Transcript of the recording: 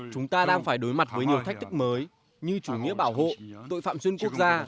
chúng ta đang phải đối mặt với nhiều thách thức mới như chủ nghĩa bảo hộ tội phạm xuyên quốc gia